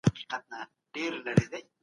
په بسم الله خواړه پیل کړئ.